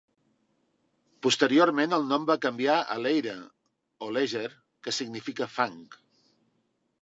Posteriorment el nom va canviar a "Leire" o "Leger", que significa "fang".